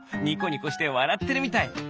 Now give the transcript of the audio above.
ニコニコしてわらってるみたい。